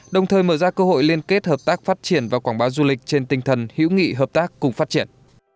đồng thời mở ra cơ hội liên kết hợp tác phát triển và quảng bá du lịch trên tinh thần hữu nghị hợp tác cùng phát triển